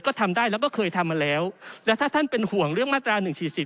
ก็ทำได้แล้วก็เคยทำมาแล้วและถ้าท่านเป็นห่วงเรื่องมาตรา๑๔๔